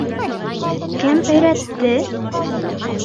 Кем өйрәтте?